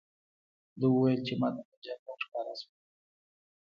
ده وویل چې ماته پنجابیان ښکاره شول.